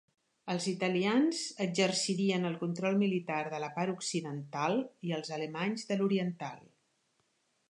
Els italians exercirien el control militar de la part occidental i els alemanys de l'oriental.